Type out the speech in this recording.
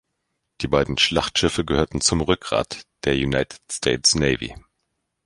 Die beiden Schlachtschiffe gehörten zum Rückgrat der United States Navy.